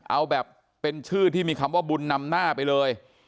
เอาแบบเป็นชื่อที่มีคำว่าบุญนำหน้าไปเลย